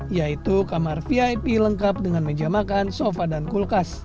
yaitu kamar vip lengkap dengan meja makan sofa dan kulkas